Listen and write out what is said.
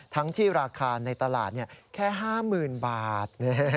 ทั้งที่ราคาในตลาดแค่๕๐๐๐บาท